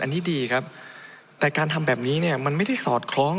อันนี้ดีครับแต่การทำแบบนี้เนี่ยมันไม่ได้สอดคล้อง